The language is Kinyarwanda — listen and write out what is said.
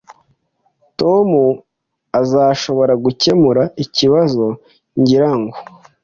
Tom azashobora gukemura ikibazo, ngira ngo